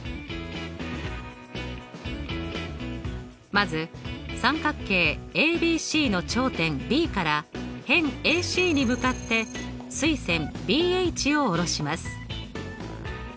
まず三角形ＡＢＣの頂点Ｂから辺ＡＣに向かって垂線ＢＨを下ろします。